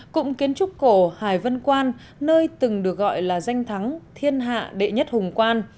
cụm kiến trúc cổ hải vân quan nơi từng được gọi là danh thắng thiên hạ đệ nhất hùng quan